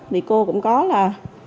thì cô cũng có là